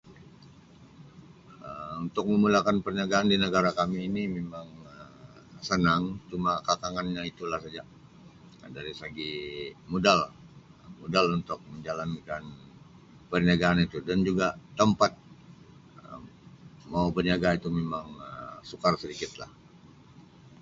Um Untuk memulakan perniagaan di negara kami ini memang Um sanang cuma kekangan nya itu lah saja dari segi modal modal untuk menjalankan perniagaan itu dan juga tempat mau berniaga itu mimang Um sukar sedikit lah.